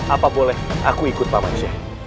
apa boleh aku ikut paman saya